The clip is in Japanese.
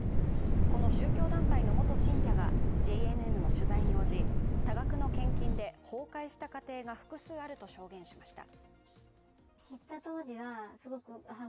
この宗教団体の元信者がＪＮＮの取材に応じ、多額の献金で崩壊した家庭が複数あると証言しました。